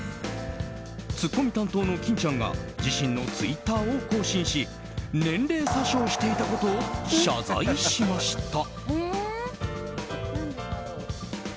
ツッコミ担当の金ちゃんが自身のツイッターを更新し年齢詐称していたことを謝罪しました。